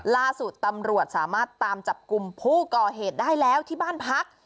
ล่าสุดตำรวจสามารถตามจับกลุ่มผู้ก่อเหตุได้แล้วที่บ้านพัก